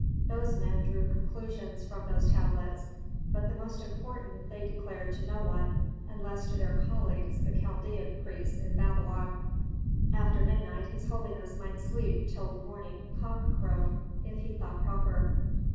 Those men drew conclusions from those tablets, but the most important they declared to no one, unless to their colleagues the Chaldean priests in Babylon. After midnight his holiness might sleep till the morning cock crow if he thought proper.